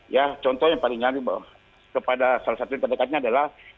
ya contoh yang paling nyaris kepada salah satu yang terdekatnya adalah